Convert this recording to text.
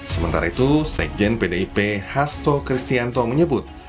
sementara itu sekjen pdip hasto kristianto menyebut